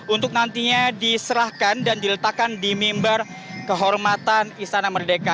untuk nantinya diserahkan dan diletakkan di member kehormatan istana merdeka